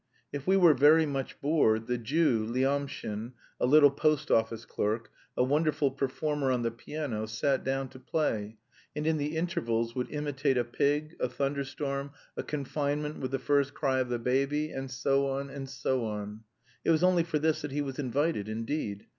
If we were very much bored, the Jew, Lyamshin (a little post office clerk), a wonderful performer on the piano, sat down to play, and in the intervals would imitate a pig, a thunderstorm, a confinement with the first cry of the baby, and so on, and so on; it was only for this that he was invited, indeed.